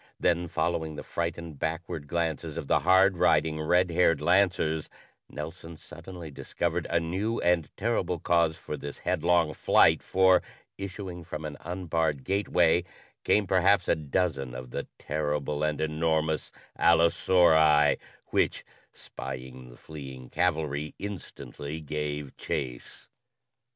Then, following the frightened, backward glances of the hard riding, red haired lancers, Nelson suddenly discovered a new and terrible cause for this headlong flight, for, issuing from an unbarred gateway, came perhaps a dozen of the terrible and enormous allosauri, which, spying the fleeing cavalry, instantly gave chase.